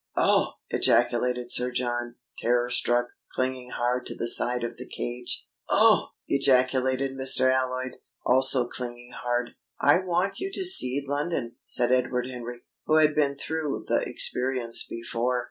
"Oh!" ejaculated Sir John, terror struck, clinging hard to the side of the cage. "Oh!" ejaculated Mr. Alloyd, also clinging hard. "I want you to see London," said Edward Henry, who had been through the experience before.